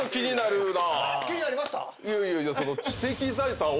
気になりました？